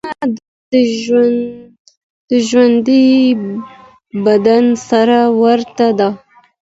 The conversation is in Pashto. ټولنه د ژوندي بدن سره ورته ده.